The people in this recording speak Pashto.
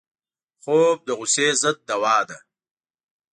خوب د غصې ضد دوا ده